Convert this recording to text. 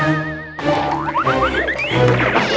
iya pak dek